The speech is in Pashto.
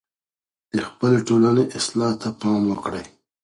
د خپلې ټولني اصلاح ته پام وکړئ.